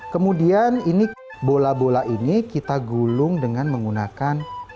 kemudian ini bola bola ini kita gulung dengan menggunakan